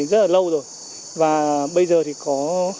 rất là lâu rồi và bây giờ thì có